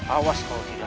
awas kalau tidak